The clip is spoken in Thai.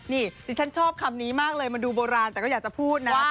นี่ดิฉันชอบคำนี้มากเลยมันดูโบราณแต่ก็อยากจะพูดนะ